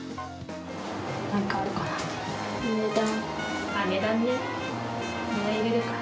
なんかあるかな。